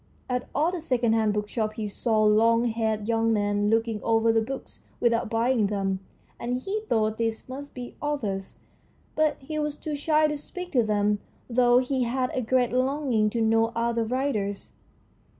At all the second hand bookshops he saw long haired young men looking over the books without buying them, and he thought these must be authors, but he was too shy to speak to them, though he had a great longing to know other writers.